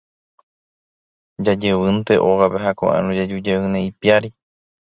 Jajevýnte ógape ha ko'ẽrõ jajujeýne ipiári.